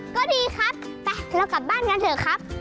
ก็ดีครับไปเรากลับบ้านกันเถอะครับ